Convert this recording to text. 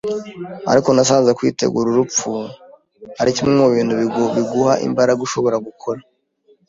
Ariko nasanze kwitegura urupfu ari kimwe mubintu biguha imbaraga ushobora gukora.